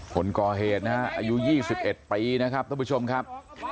คนก่อเหตุนะฮะอายุ๒๑ปีนะครับท่านผู้ชมครับ